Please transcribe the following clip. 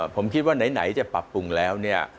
ผมคิดว่าไหนจะปรับปรุงแล้วเนี่ย